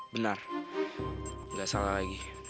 benar enggak salah lagi